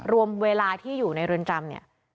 รวมเวลาที่อยู่ในเรือนจำเนี่ย